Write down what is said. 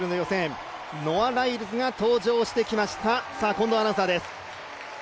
ノア・ライルズが登場してきました近藤アナウンサーです。